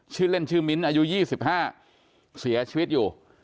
ชื่อเล่นชื่อมิ้นอายุ๒๕เสียชีวิตอยู่